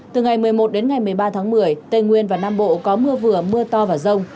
từ ngày một mươi một đến ngày một mươi ba tháng một mươi tây nguyên và nam bộ có mưa vừa mưa to và rông